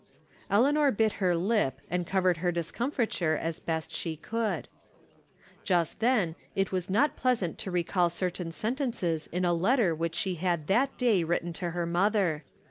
Eleanor bit her lip, and covered her discomfit ure as best she could. Just then it was not pleasant to recall certain sentences in a letter which she had that day written to her mother.